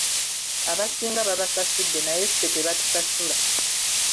Abasinga babasasudde naye ffe tebatusasula.